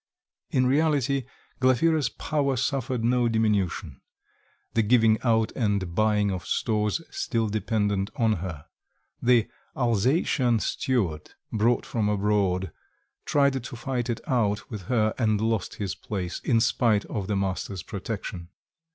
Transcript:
In reality, Glafira's power suffered no diminution; the giving out and buying of stores still depended on her. The Alsatian steward, brought from abroad, tried to fight it out with her and lost his place, in spite of the master's protection.